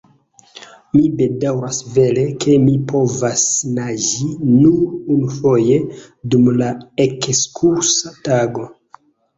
Mi bedaŭras vere, ke mi povis naĝi nur unufoje, dum la ekskursa tago.